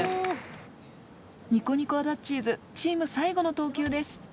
ニコニコあだっちーずチームさいごの投球です。